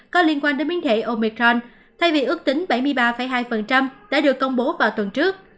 có liên quan đến biến thể omecron thay vì ước tính bảy mươi ba hai đã được công bố vào tuần trước